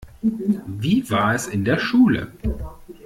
Wie war es in der Schule?